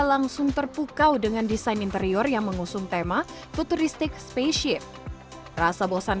langsung terpukau dengan desain interior yang mengusung tema futuristik spaceship rasa bosan